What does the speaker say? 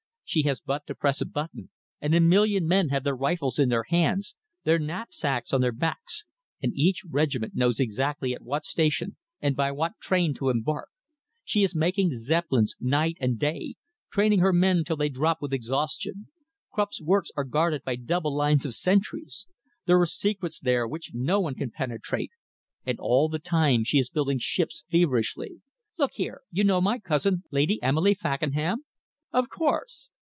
She has but to press a button, and a million men have their rifles in their hands, their knapsacks on their backs, and each regiment knows exactly at which station and by what train to embark. She is making Zeppelins night and day, training her men till they drop with exhaustion. Krupp's works are guarded by double lines of sentries. There are secrets there which no one can penetrate. And all the time she is building ships feverishly. Look here you know my cousin, Lady Emily Fakenham?" "Of course!"